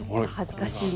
恥ずかしい。